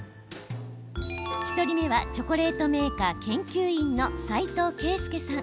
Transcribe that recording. １人目はチョコレートメーカー研究員の齋藤圭祐さん。